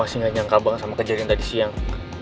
aku masih gak nyangka banget sama kejadian tadi siang